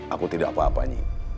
aku tidak apa apanya